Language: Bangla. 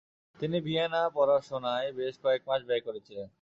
তিনি ভিয়েনা পড়াশুনায় বেশ কয়েক মাস ব্যয় করেছিলেন।